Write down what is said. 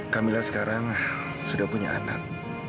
kamila sekarang sudah punya anak